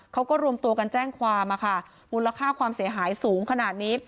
เขาก็รวมตัวกันแจ้งความมูลค่าความเสียหายสูงขนาดนี้